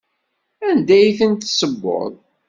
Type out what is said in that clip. Anda ay tent-tessewweḍ?